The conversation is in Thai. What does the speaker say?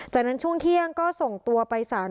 จากนั้นช่วงเที่ยงก็ส่งตัวไปสาร